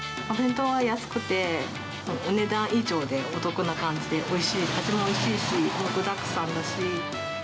お弁当は安くて、お値段以上でお得な感じで、味もおいしいし、具だくさんだし。